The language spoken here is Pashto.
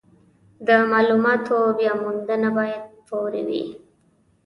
د مالوماتو بیاموندنه باید فوري وي.